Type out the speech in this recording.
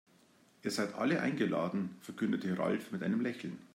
Ihr seid alle eingeladen, verkündete Ralf mit einem Lächeln.